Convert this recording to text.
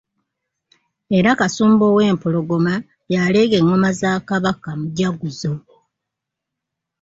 Era Kasumba owempologoma y'aleega engoma za Kabaka, Mujaguzo.